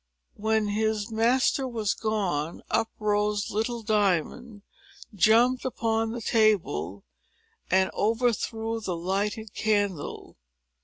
When his master was gone, up rose little Diamond, jumped upon the table, and overthrew the lighted candle.